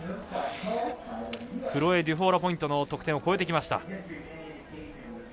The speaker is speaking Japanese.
クロエ・デュフォーラポイントの得点を超えてきました。